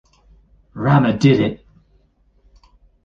Rama did it.